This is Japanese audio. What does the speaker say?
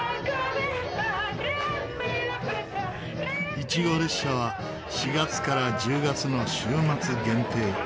イチゴ列車は４月から１０月の週末限定。